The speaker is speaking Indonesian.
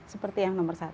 seperti yang nomor satu